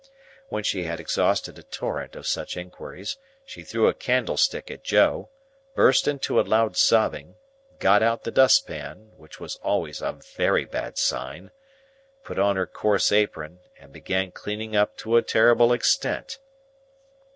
When she had exhausted a torrent of such inquiries, she threw a candlestick at Joe, burst into a loud sobbing, got out the dustpan,—which was always a very bad sign,—put on her coarse apron, and began cleaning up to a terrible extent.